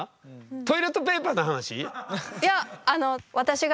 トイレットペーパーの話？